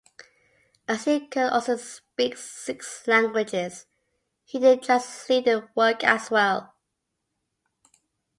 As he could also speak six languages he did translating work as well.